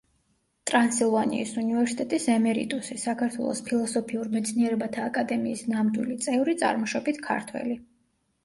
ტრანსილვანიის უნივერსიტეტის ემერიტუსი, საქართველოს ფილოსოფიურ მეცნიერებათა აკადემიის ნამდვილი წევრი, წარმოშობით ქართველი.